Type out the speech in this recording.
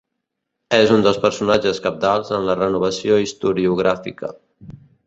És un dels personatges cabdals en la renovació historiogràfica.